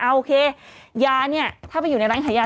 โอเคยาเนี่ยถ้าไปอยู่ในร้านขายยา